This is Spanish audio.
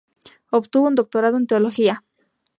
Obtuvo un doctorado en teología.